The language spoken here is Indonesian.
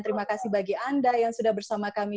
terima kasih bagi anda yang sudah bersama kami